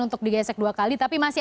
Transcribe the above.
untuk menulis studius utama saya